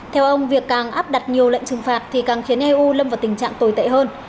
theo ông việc càng áp đặt nhiều lệnh trừng phạt thì càng khiến eu lâm vào tình trạng tồi tệ hơn